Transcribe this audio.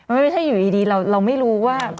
ไม่ใช่อยู่ดีเราไม่รู้ว่า